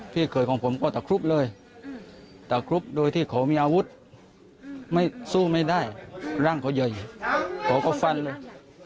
พี่เคยของผมก็ตะครุบเลยตะครุบโดยที่เขามีอาวุธไม่สู้ไม่ได้ร่างเขาใหญ่เขาก็ฟันเลย